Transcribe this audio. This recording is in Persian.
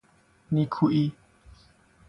نیکوئی